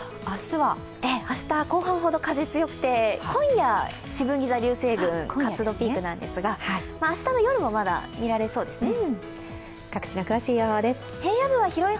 明日は後半ほど風が強くて、今夜しぶんぎ座流星群の活動がピークなんですが、明日の夜もまだ見られそうです。